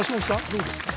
どうですか？